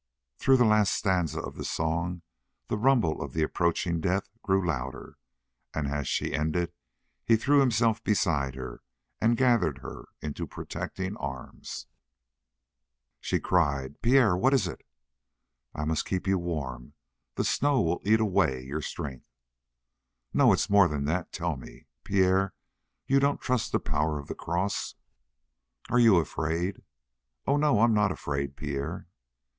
Through the last stanza of the song the rumble of the approaching death grew louder, and as she ended he threw himself beside her and gathered her into protecting arms. She cried: "Pierre! What is it?" "I must keep you warm; the snow will eat away your strength." "No; it's more than that. Tell me, Pierre! You don't trust the power of the cross?" "Are you afraid?" "Oh, no; I'm not afraid, Pierre."